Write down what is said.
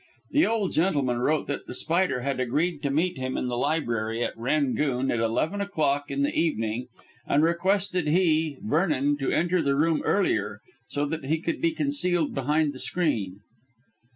The old gentleman wrote that The Spider had agreed to meet him in the library at "Rangoon" at eleven o'clock in the evening, and requested he, Vernon, to enter the room earlier, so that he could be concealed behind the screen.